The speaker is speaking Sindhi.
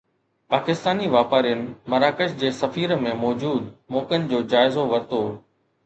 پاڪستاني واپارين مراکش جي سفير ۾ موجود موقعن جو جائزو ورتو